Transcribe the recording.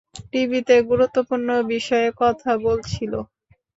টিভিতে গুরুত্বপূর্ণ বিষয়ে কথা বলছিলো।